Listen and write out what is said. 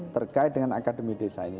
terkait dengan akademi desa ini